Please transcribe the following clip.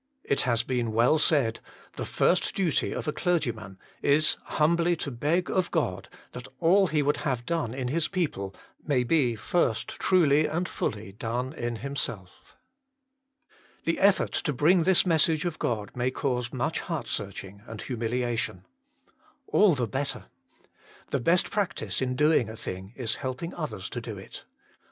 It has been well said, " The first duty of a clergyman is humbly to beg of God that all he would have done in his people may be first truly and fully done in himself." The effort to bring this message of God may cause much heart searching and humiliation. All the better. The best practice in doing a thing is helping others to do it.